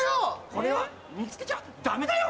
これは煮付けちゃダメだよ！